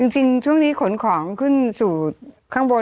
จริงช่วงนี้ขนของขึ้นสู่ข้างบน